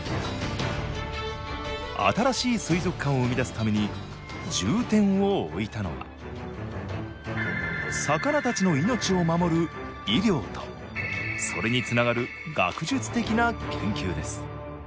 新しい水族館を生み出すために重点を置いたのは魚たちの命を守る医療とそれにつながる学術的な研究です